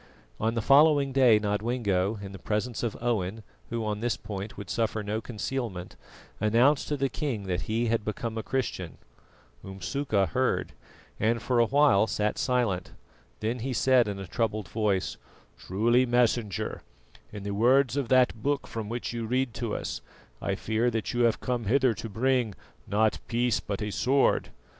On the following day Nodwengo, in the presence of Owen, who on this point would suffer no concealment, announced to the king that he had become a Christian. Umsuka heard, and for a while sat silent. Then he said in a troubled voice: "Truly, Messenger, in the words of that Book from which you read to us, I fear that you have come hither to bring, 'not peace but a sword.